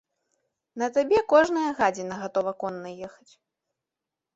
На табе кожная гадзіна гатова конна ехаць.